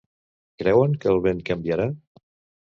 Creuen que el vent canviarà?